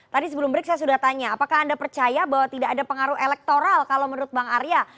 tadi sebelum break saya sudah tanya apakah anda percaya bahwa tidak ada pengaruh elektoral kalau menurut bang arya